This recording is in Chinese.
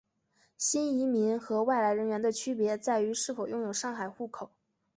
新移民和外来人员的区别在于是否拥有上海户口。